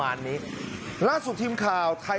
สวัสดีครับคุณผู้ชาย